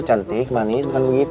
cantik manis bukan begitu